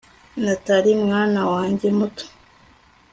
natalie, mwana wanjye muto